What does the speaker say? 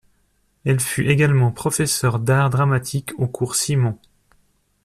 Elle fut également professeur d’art dramatique au Cours Simon.